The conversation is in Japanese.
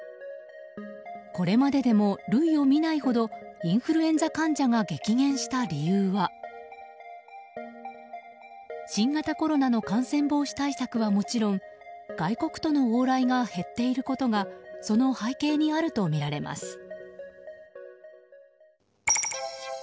これまででも類を見ないほどインフルエンザ患者が激減した理由は新型コロナの感染防止対策はもちろん外国との往来が減っていることがその背景にあるとみられます。